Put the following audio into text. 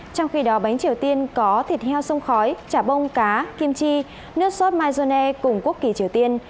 trong khi đó bánh triều tiên có thịt heo sông khói chả bông cá kim chi nước sốt mizone cùng quốc kỳ triều tiên